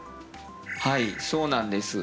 はいそうなんです